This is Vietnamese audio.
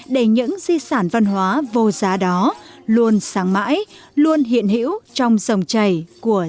để những di sản văn hóa vô giá đó luôn sáng mãi luôn hiện hữu trong dòng chảy của dân